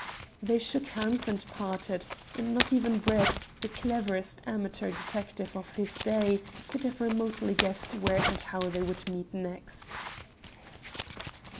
They shook hands and parted, and not even Brett, the cleverest amateur detective of his day, could have remotely guessed where and how they would meet next.